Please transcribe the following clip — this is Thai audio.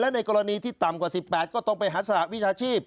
ในกรณีที่ต่ำกว่า๑๘ก็ต้องไปหาสหวิชาชีพ